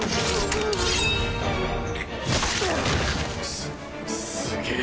すすげえ。